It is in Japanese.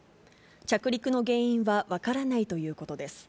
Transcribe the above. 着陸の原因は分からないということです。